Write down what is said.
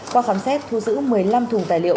qua khám xét thu giữ một mươi năm thùng tài liệu